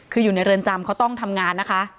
คืออยู่ในเรือนจำเขาต้องทำงานนะคะ